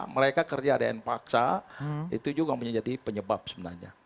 mereka kerja dan dipaksa itu juga menjadi penyebab sebenarnya